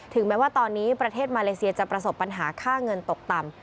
แม้ว่าตอนนี้ประเทศมาเลเซียจะประสบปัญหาค่าเงินตกต่ำ